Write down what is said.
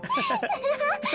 ハハハハ。